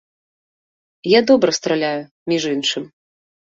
Я добра страляю, між іншым.